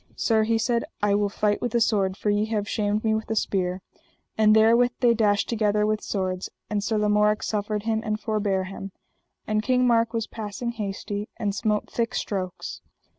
Sir, he said, I will fight with a sword, for ye have shamed me with a spear; and therewith they dashed together with swords, and Sir Lamorak suffered him and forbare him. And King Mark was passing hasty, and smote thick strokes.